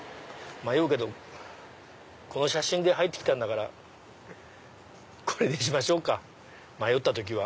迷うけどこの写真で入って来たんだからこれにしましょうか迷った時は。